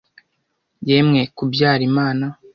yemwe kubyara imana